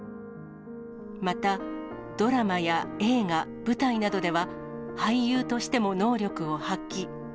また、ドラマや映画、舞台などでは、俳優としても能力を発揮。